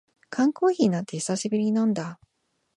缶コーヒーなんて久しぶりに飲んだ